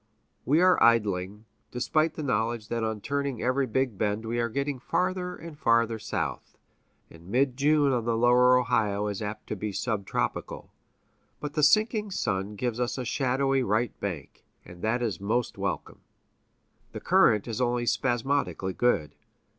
We are idling, despite the knowledge that on turning every big bend we are getting farther and farther south, and mid June on the Lower Ohio is apt to be sub tropical. But the sinking sun gives us a shadowy right bank, and that is most welcome. The current is only spasmodically good.